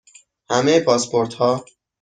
همه پاسپورت ها